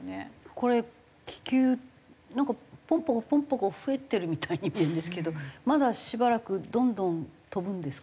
これ気球なんかポンポコポンポコ増えてるみたいに見えるんですけどまだしばらくどんどん飛ぶんですか？